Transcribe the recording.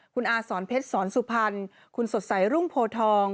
คุณอาสอนเพชรสอนสุพรรณคุณสดใสรุ่งโพทอง